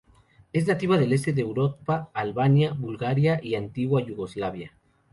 Es nativa del este de Europa en Albania, Bulgaria y antigua Yugoslavia.